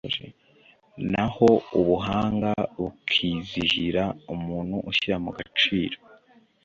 naho ubuhanga bukizihira umuntu ushyira mu gaciro